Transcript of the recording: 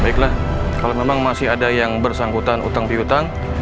baiklah kalau memang masih ada yang bersangkutan utang piutang